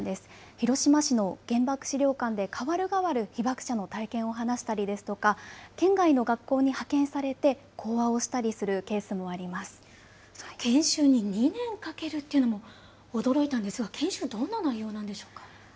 広島市の原爆資料館でかわるがわる被爆者の体験を話したりですとか、県外の学校に派遣されて、講研修に２年かけるっていうのも驚いたんですが、研修、どんな内容なんでしょうか。